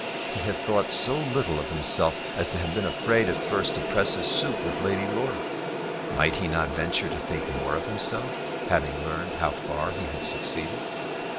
He had thought so little of himself as to have been afraid at first to press his suit with Lady Laura. Might he not venture to think more of himself, having learned how far he had succeeded?